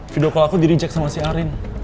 video call aku dirijek sama si arya